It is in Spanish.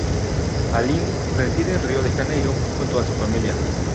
Aline reside en Río de Janeiro junto a su familia.